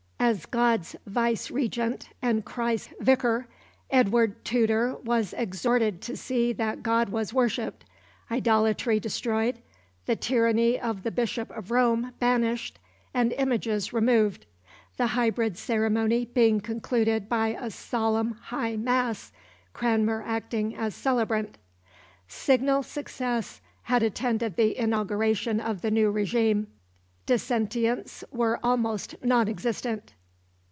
As God's Vice regent and Christ's Vicar, Edward Tudor was exhorted to see that God was worshipped, idolatry destroyed, the tyranny of the Bishop of Rome banished, and images removed, the hybrid ceremony being concluded by a solemn high mass, Cranmer acting as celebrant. Signal success had attended the inauguration of the new régime. Dissentients were almost nonexistent.